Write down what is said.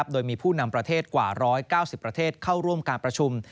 โดยมีผู้นำประเทศกว่า๑๙๐ประเทศเข้าร่วมการประชุม